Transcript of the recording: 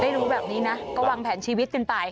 รู้แบบนี้นะก็วางแผนชีวิตกันไป